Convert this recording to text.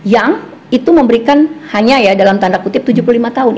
yang itu memberikan hanya ya dalam tanda kutip tujuh puluh lima tahun